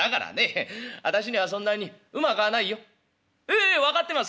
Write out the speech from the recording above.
「ええ分かってます。